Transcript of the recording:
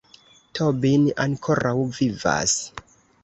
Tobin ankoraŭ vivas!